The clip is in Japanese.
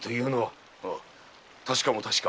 確かも確か。